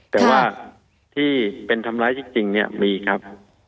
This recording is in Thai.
แต่ว่าที่เป็นทำร้ายจริงเนี่ยมีครับ